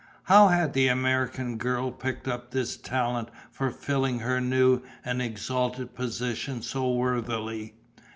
How had the American girl picked up this talent for filling her new and exalted position so worthily?